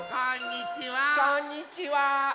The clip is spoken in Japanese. こんにちは！